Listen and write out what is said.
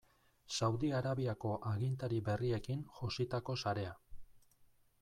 Saudi Arabiako agintari berriekin jositako sarea.